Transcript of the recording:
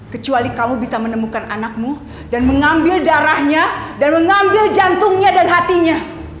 kecuali kamu bisa menemukan anakmu dan mengambil darahnya dan mengambil jantungnya dan hatinya